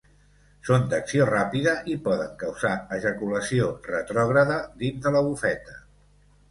Són d'acció ràpida i poden causar ejaculació retrògrada dins de la bufeta.